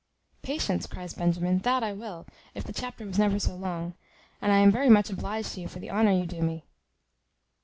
"Patience!" cries Benjamin, "that I will, if the chapter was never so long; and I am very much obliged to you for the honour you do me."